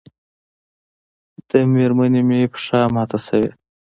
د مېرمنې مې پښه ماته شوې